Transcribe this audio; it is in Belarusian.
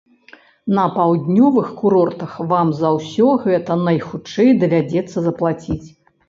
На паўднёвых курортах вам за ўсё гэта найхутчэй давядзецца даплаціць.